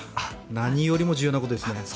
何よりも重要なことですね。